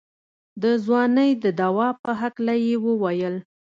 د ځوانۍ د دوا په هکله يې وويل.